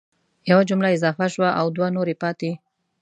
یوه جمله اضافه شوه او دوه نورې پاتي